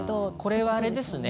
これは、あれですね